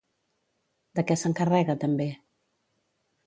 De què s'encarrega també?